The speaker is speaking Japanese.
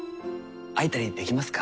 会えたりできますか？